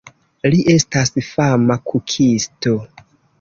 Li estas fama kukisto.